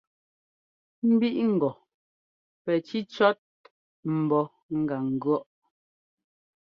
Mbíʼ ŋgɔ pɛ cícʉɔ́t mbɔ́ gá ŋgʉ̈ɔʼ.